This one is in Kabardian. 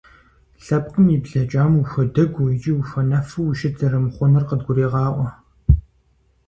Лъэпкъым и блэкӀам ухуэдэгуу икӀи ухуэнэфу ущыт зэрымыхъунур къыдгурегъаӀуэ.